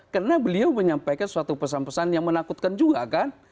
karena beliau menyampaikan suatu pesan pesan yang menakutkan juga kan